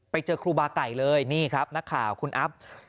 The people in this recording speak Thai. ไปเจอครูบาไก่เลยนี่ครับนักข่าวคุณอัพ